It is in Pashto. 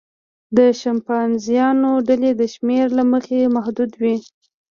د شامپانزیانو ډلې د شمېر له مخې محدودې وي.